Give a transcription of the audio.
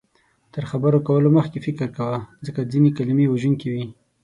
تر خبرو کولو مخکې فکر کوه، ځکه ځینې کلمې وژونکې وي